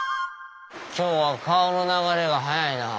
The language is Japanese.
今日は川の流れが速いな。